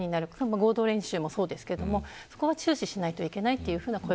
合同演習もそうですがそこは注視しないといけません。